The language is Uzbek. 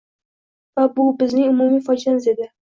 Va bu bizning umum fojiamiz edi.